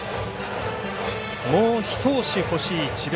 もうひと押し欲しい智弁